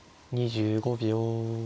２５秒。